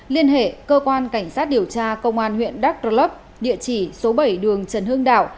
liên hệ cơ quan cảnh sát điều tra công an huyện đắk rơ lấp địa chỉ số bảy đường trần hưng đạo